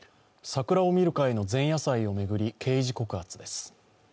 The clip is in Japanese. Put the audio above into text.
桜を見る会の前夜祭を巡り、刑事告発です。